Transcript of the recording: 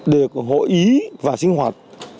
để hội ý và sinh hoạt